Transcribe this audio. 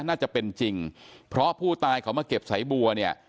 น่าจะเป็นจริงเพราะผู้ตายเขามาเก็บสายบัวเนี่ย